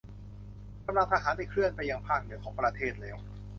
กำลังทหารได้เคลื่อนไปยังภาคเหนือของประเทศแล้ว